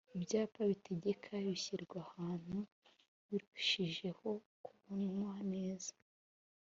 Ibyapa bitegeka bishyirwa ahantu birushijeho kubonwa neza